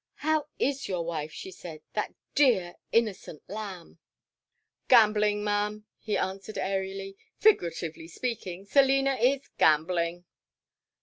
"How is your wife?" she said, "that dear, innocent lamb." "Gambolling, Ma'am," he answered, airily. "Figuratively speaking, Selina is gambolling."